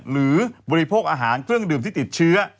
บริโภคอาหารเครื่องดื่มที่ติดเชื้อ